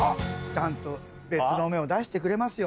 ちゃんと別の面を出してくれますよ。